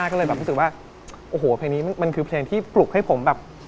ก็เลยแบบรู้สึกว่าโอ้โหเพลงนี้มันคือเพลงที่ปลุกให้ผมแบบ